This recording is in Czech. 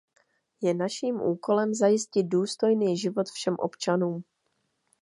Je naším úkolem zajistit důstojný život všem občanům.